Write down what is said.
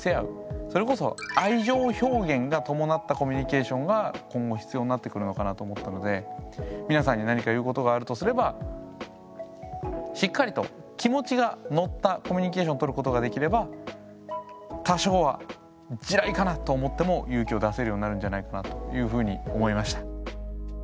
それこそ愛情表現が伴ったコミュニケーションが今後必要になってくるのかなと思ったのでミナさんに何か言うことがあるとすればしっかりと気持ちが乗ったコミュニケーションとることができれば多少は地雷かなと思っても勇気を出せるようになるんじゃないかなというふうに思いました。